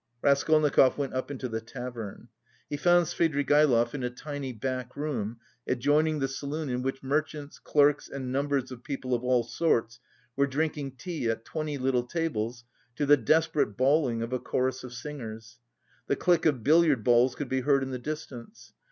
Raskolnikov went up into the tavern. He found Svidrigaïlov in a tiny back room, adjoining the saloon in which merchants, clerks and numbers of people of all sorts were drinking tea at twenty little tables to the desperate bawling of a chorus of singers. The click of billiard balls could be heard in the distance.